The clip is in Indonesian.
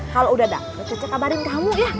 kalau udah dah cice kabarin kamu ya